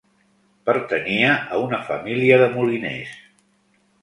Pertanyia a una família de moliners.